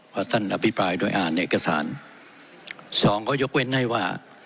เพราะท่านอภิปรายด้วยอ่านเอกสารสองก็ยกเว้นให้ว่า